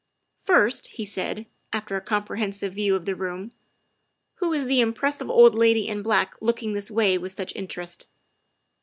''" First," he said, after a comprehensive view of the room, " who is the impressive old lady in black looking this way with such interest?"